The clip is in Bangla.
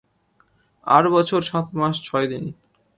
আট বছর, সাত মাস, ছয় দিন।